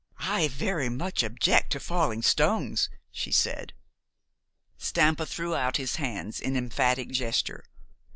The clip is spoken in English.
"I very much object to falling stones," she said. Stampa threw out his hands in emphatic gesture.